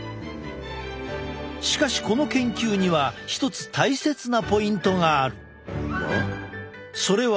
しかしこの研究には一つ大切なポイントがある。